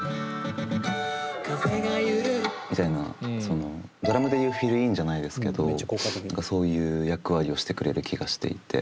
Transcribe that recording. みたいなそのドラムでいうフィルインじゃないですけどそういう役割をしてくれる気がしていて。